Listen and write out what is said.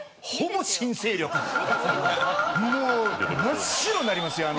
もう真っ白になりますよ